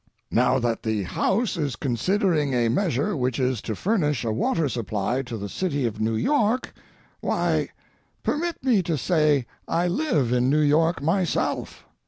Now that the House is considering a measure which is to furnish a water supply to the city of New York, why, permit me to say I live in New York myself.